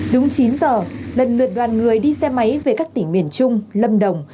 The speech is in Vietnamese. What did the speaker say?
đúng chín giờ lần lượt đoàn người đi xe máy về các tỉnh miền trung lâm đồng